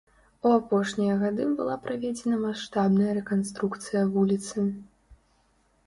У апошнія гады была праведзена маштабная рэканструкцыя вуліцы.